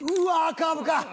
カーブか！